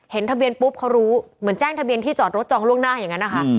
ทะเบียนปุ๊บเขารู้เหมือนแจ้งทะเบียนที่จอดรถจองล่วงหน้าอย่างนั้นนะคะ